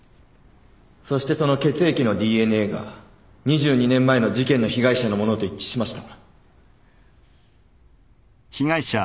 そしてその血液のＤＮＡが２２年前の事件の被害者のものと一致しました。